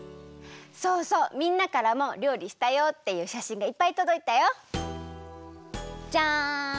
そうそうみんなからもりょうりしたよっていうしゃしんがいっぱいとどいたよ。じゃん！